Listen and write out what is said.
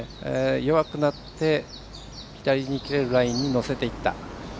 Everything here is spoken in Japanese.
弱くなって左に切れるラインに乗せていった。